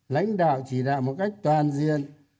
lãnh đạo chỉ đạo một cách toàn diện